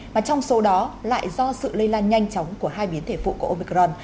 mà trong số đó lại do sự lây lan nhanh chóng của hai biến thể phụ của opcron